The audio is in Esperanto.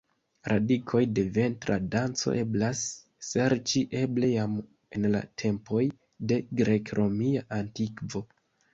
Radikoj de ventra danco eblas serĉi eble jam en la tempoj de grek-romia antikvo.